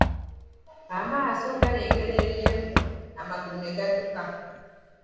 Amaaso galengera eryenvu, amagulu ne gadduka.